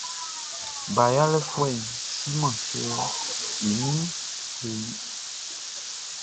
Ba yalɛfuɛʼn siman kɛ i ninʼn klo i.